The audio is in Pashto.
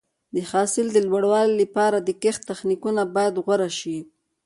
د حاصل د لوړوالي لپاره د کښت تخنیکونه باید غوره شي.